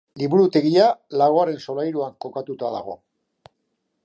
Liburutegia laugarren solairuan kokatuta dago.